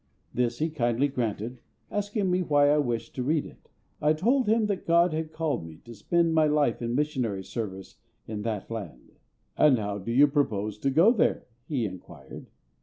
This he kindly granted, asking me why I wished to read it. I told him that GOD had called me to spend my life in missionary service in that land. "And how do you propose to go there?" he inquired.